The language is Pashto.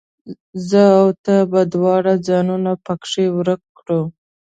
زه او ته به دواړه ځانونه پکښې ورک کړو